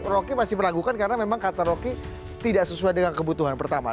rocky masih meragukan karena memang kata rocky tidak sesuai dengan kebutuhan pertama